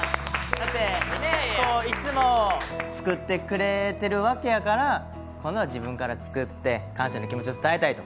だってこういつも作ってくれてるわけやから今度は自分から作って感謝の気持ちを伝えたいと。